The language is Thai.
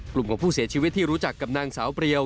กลุ่มของผู้เสียชีวิตที่รู้จักกับนางสาวเปรียว